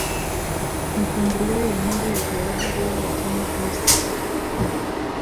Mipangilio ya nyimbo ya kawaida huwa ya tano au sita